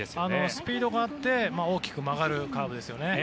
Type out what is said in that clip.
スピードがあって大きく曲がるカーブですよね。